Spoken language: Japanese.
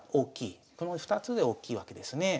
この２つで大きいわけですね。